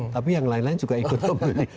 tapi yang lain lain juga ikut memilih